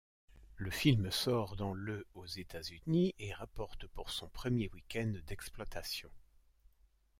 Le film sort dans le aux États-Unis et rapporte pour son premier week-end d'exploitation.